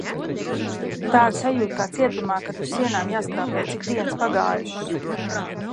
Tāda sajūta kā cietumā, kad uz sienām jāskrāpē cik dienas pagājušas...